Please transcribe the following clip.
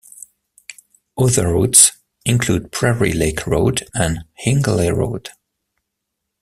Other routes include Prairie Lake Road and Hingeley Road.